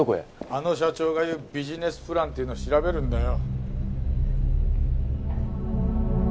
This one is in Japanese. あの社長が言うビジネスプランっていうのを調べるんだよ。